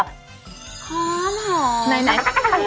หอมหอม